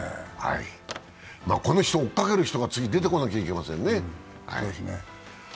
この人、追いかける人が次、出てこないといけませんね。